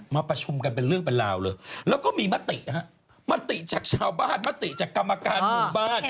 ไม่เหมือนเขาวิ่งไล่จับลมนี้เลยปะ